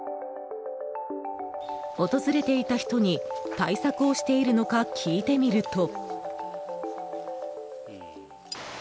訪れていた人に対策をしているのか聞いてみると。